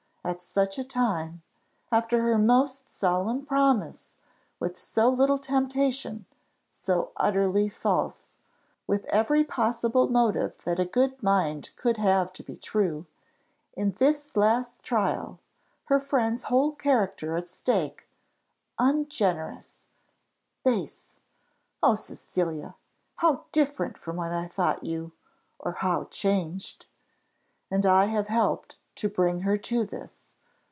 at such a time after her most solemn promise, with so little temptation, so utterly false with every possible motive that a good mind could have to be true in this last trial her friend's whole character at stake ungenerous base! O Cecilia! how different from what I thought you or how changed! And I have helped to bring her to this!